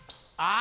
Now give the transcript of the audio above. あ